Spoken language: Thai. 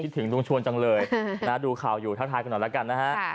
ถึงลุงชวนจังเลยดูข่าวอยู่ทักทายกันหน่อยแล้วกันนะฮะ